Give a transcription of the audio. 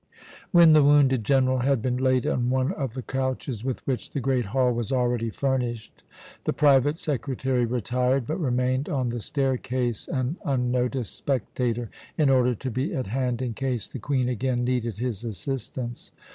When the wounded general had been laid on one of the couches with which the great hall was already furnished, the private secretary retired, but remained on the staircase, an unnoticed spectator, in order to be at hand in case the Queen again needed his assistance.